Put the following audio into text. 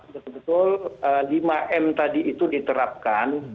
betul betul lima m tadi itu diterapkan